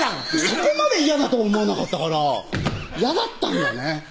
そこまで嫌だと思わなかったから嫌だったんだね